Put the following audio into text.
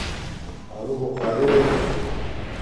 آلݸبُخݳرݺ دݵک.